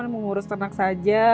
mengurus ternak saja